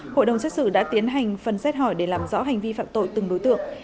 hội đồng xét xử đã tiến hành phần xét hỏi để làm rõ hành vi phạm tội từng đối tượng